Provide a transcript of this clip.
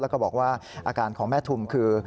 แล้วก็บอกว่าอาการของแม่ทุมคือ